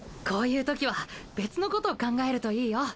こういうときは別のことを考えるといいよ。